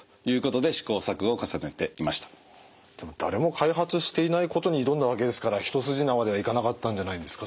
でも誰も開発していないことに挑んだわけですから一筋縄ではいかなかったんじゃないんですか？